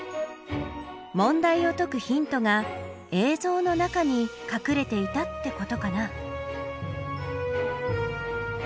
問題を解くヒントが映像の中にかくれていたってことかな？